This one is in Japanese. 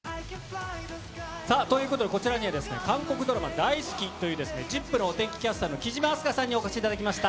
さあ、ということでこちらには、監督、韓国ドラマ大好きというＺＩＰ！のお天気キャスターの貴島明日香さんにお越しいただきました。